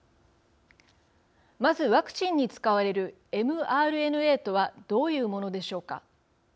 まず、ワクチンに使われるｍＲＮＡとはどういうものでしょうか。